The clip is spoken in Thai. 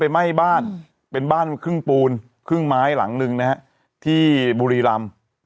ไหม้บ้านเป็นบ้านครึ่งปูนครึ่งไม้หลังหนึ่งนะฮะที่บุรีรำ